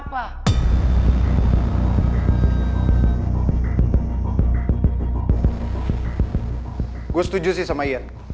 kalo kita bisa berantem lagi gue ga setuju sih sama ian